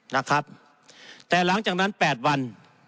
นะครับแต่หลังจากนั้นแปดวัน